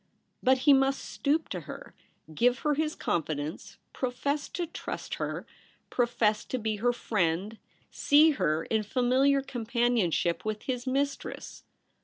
— but he must stoop to her, give her his confidence, profess to trust her, profess to be her friend, see her in familiar companionship with his mistress.